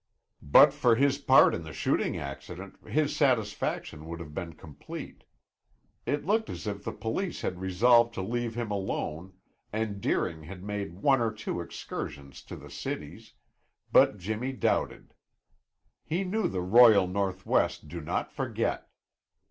But for his part in the shooting accident, his satisfaction would have been complete. It looked as if the police had resolved to leave him alone, and Deering had made one or two excursions to the cities, but Jimmy doubted. He knew the Royal North West do not forget.